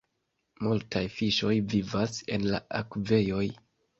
Multaj fiŝoj vivas en la akvejoj.